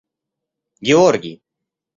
Георгий